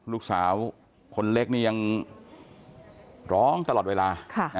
ลูกสาวคนเล็กนี่ยังร้องตลอดเวลา